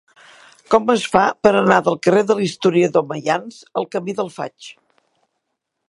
Com es fa per anar del carrer de l'Historiador Maians al camí del Faig?